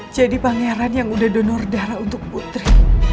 jadi pangeran yang udah donor darah untuk putri